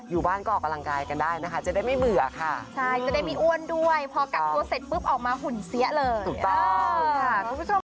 อยู่บ้านก็ออกกำลังกายกันได้นะคะจะได้ไม่เบื่อค่ะใช่จะได้ไม่อ้วนด้วยพอกักตัวเสร็จปุ๊บออกมาหุ่นเสียเลยถูกต้อง